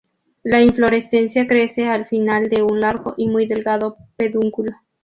La inflorescencia crece al final de un largo y muy delgado pedúnculo.